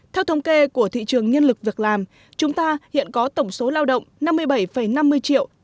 theo thống kê của thị trường nhân lực việc làm chúng ta hiện có tổng số lao động năm mươi bảy năm mươi triệu